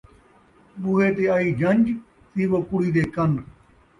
ٻوہے تے آئی جن٘ڄ، سیوو کُڑی دے کن